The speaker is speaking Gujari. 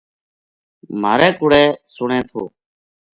مھارے کوڑے سنے تھو